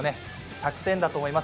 １００点だと思います。